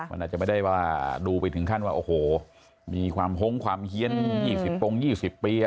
มันอาจจะไม่ได้ว่าดูไปถึงขั้นว่าโอ้โหมีความหงความเฮียน๒๐ปง๒๐ปี